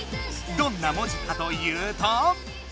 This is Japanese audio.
どんな文字かというと。